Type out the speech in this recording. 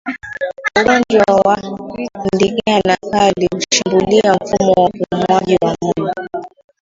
Ugonjwa wa ndigana kali hushambulia mfumo wa upumuaji wa ngombe